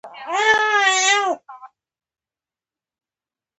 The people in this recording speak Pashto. ماوو اعلان وکړ چې تولید به دوه برابره شي.